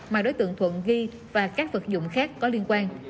mà đối tượng thuận ghi và các vật dụng khác có liên quan